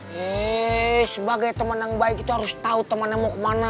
heee sebagai temen yang baik itu harus tau temennya mau kemana